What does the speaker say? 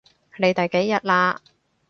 你第幾日喇？